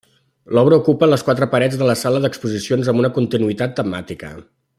L'obra ocupa les quatre parets de la sala d'exposicions amb una continuïtat temàtica.